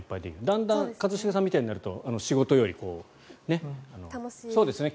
だんだん一茂さんみたいになると仕事よりね。